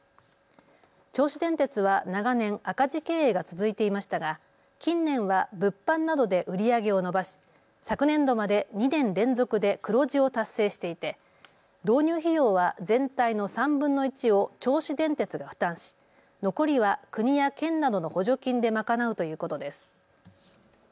銚子電鉄は長年、赤字経営が続いていましたが近年は物販などで売り上げを伸ばし昨年度まで２年連続で黒字を達成していて導入費用は全体の３分の１を銚子電鉄が負担し、残りは国や県などの補助金で賄うということです。